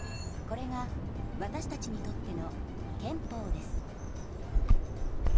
これがわたしたちにとっての憲法です。